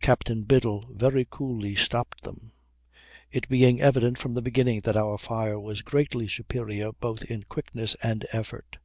Captain Biddle very coolly stopped them, "it being evident from the beginning that our fire was greatly superior both in quickness and effect."